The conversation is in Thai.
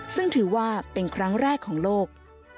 ซึ่งถือว่าเป็นครั้งแรกของโลก